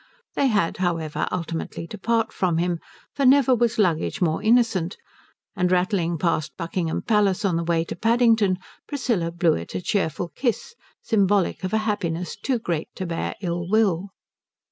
They had however ultimately to part from him, for never was luggage more innocent; and rattling past Buckingham Palace on the way to Paddington Priscilla blew it a cheerful kiss, symbolic of a happiness too great to bear ill will.